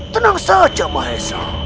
tenang saja mahesha